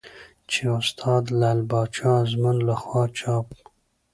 چې استاد لعل پاچا ازمون له خوا چاپ